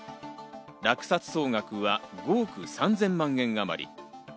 落札総額は５億３０００万円あまり。